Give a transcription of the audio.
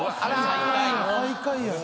最下位や。